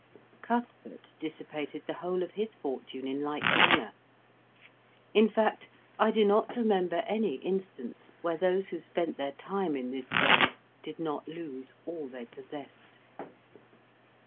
Cuthbert dissipated the whole of his fortune in like manner. In fact, I do not remember any instance where those who spent their time in this den did not lose all they possessed.